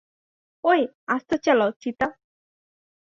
ওই, আসতে চালাও, চিতা।